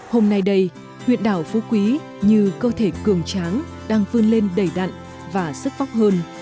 hôm nay đây huyện đảo phú quý như cơ thể cường tráng đang vươn lên đầy đặn và sức vóc hơn